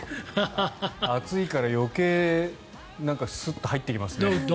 暑いから、余計スッと入っていますね。